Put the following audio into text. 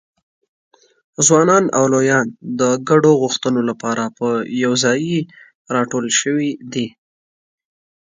ځوانان او لویان د ګډو غوښتنو لپاره په یوځایي راټول شوي دي.